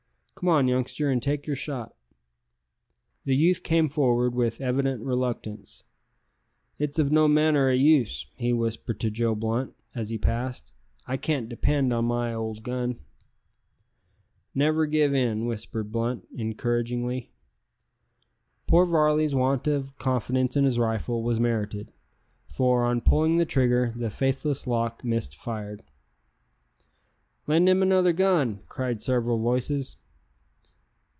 Come on, youngster, an' take yer shot." The youth came forward with evident reluctance. "It's of no manner o' use," he whispered to Joe Blunt as he passed, "I can't depend on my old gun." "Never give in," whispered Blunt, encouragingly. Poor Varley's want of confidence in his rifle was merited, for, on pulling the trigger, the faithless lock missed fire. "Lend him another gun," cried several voices.